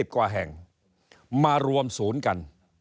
กว่าแห่งมารวมศูนย์กัน